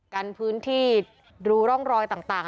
กันพื้นที่ดูร่องรอยต่าง